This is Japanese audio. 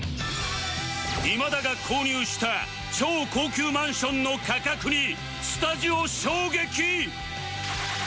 今田が購入した超高級マンションの価格にスタジオ衝撃！